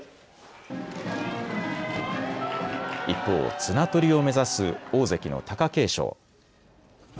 一方、綱取りを目指す大関の貴景勝。